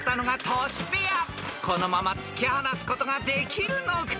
［このまま突き放すことができるのか］